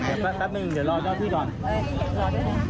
แป๊บแป๊บหนึ่งเดี๋ยวรอเจ้าหน้าที่ก่อนเออรอด้วยค่ะ